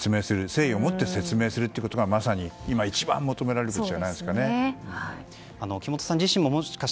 誠意をもって説明することがまさに今、一番求められることじゃないでしょうか。